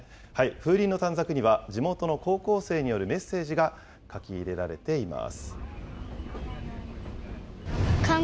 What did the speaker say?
風鈴の短冊には、地元の高校生によるメッセージが書き入れられています。